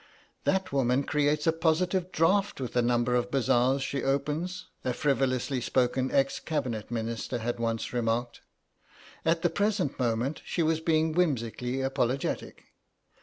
"That woman creates a positive draught with the number of bazaars she opens," a frivolously spoken ex Cabinet Minister had once remarked. At the present moment she was being whimsically apologetic.